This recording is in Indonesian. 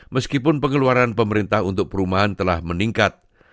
meskipun pengeluaran pemerintah untuk perumahan telah meningkat